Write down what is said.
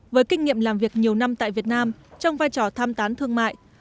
với kinh nghiệm làm việc nhiều năm tại việt nam trong vai trò tham tán thương mại